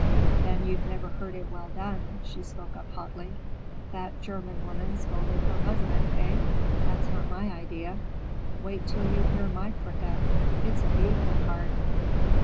"Then you've never heard it well done." She spoke up hotly. "Fat German woman scolding her husband, eh? That's not my idea. Wait till you hear my Fricka. It's a beautiful part."